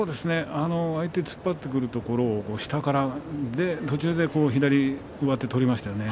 相手が突っ張ってくるところを下から途中で左を上手を取りましたね。